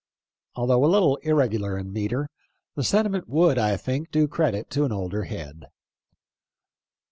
Although a little irregular in metre, the sentiment would, I think, do credit to an older head.